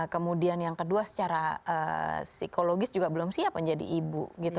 kemudian yang kedua secara psikologis juga belum siap menjadi ibu gitu